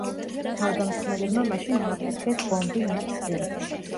თავდამსხმელებმა მაშინ ააფეთქეს ბომბი მათ წინ.